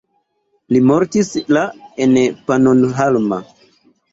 Li mortis la en Pannonhalma.